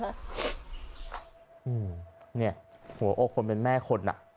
อืมเนี่ยหัวอกคนเป็นแม่คนอ่ะ